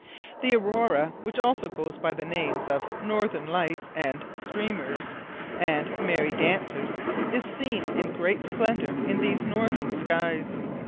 The Aurora which also goes by the names of "Northern Lights," and "Streamers," and "Merry dancers," is seen in great splendour in these northern skies.